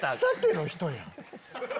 「さて」の人やん！